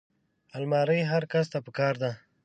الماري هر کس ته پکار ده